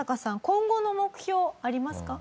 今後の目標ありますか？